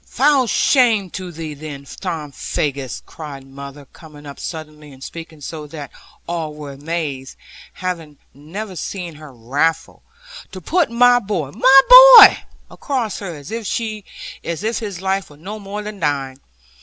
'Foul shame to thee then, Tom Faggus,' cried mother, coming up suddenly, and speaking so that all were amazed, having never seen her wrathful; 'to put my boy, my boy, across her, as if his life were no more than thine!